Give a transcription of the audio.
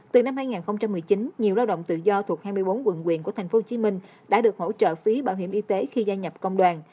từ năm hai nghìn một mươi chín nhiều lao động tự do thuộc hai mươi bốn quận quyện của tp hcm đã được hỗ trợ phí bảo hiểm y tế khi gia nhập công đoàn